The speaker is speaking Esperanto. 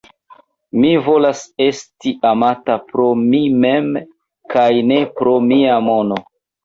Mi volas esti amata pro mi mem kaj ne pro mia mono!